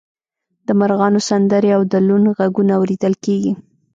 د مرغانو سندرې او د لوون غږونه اوریدل کیږي